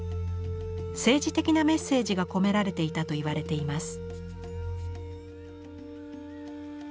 政治的なメッセージが込められていたといわれています。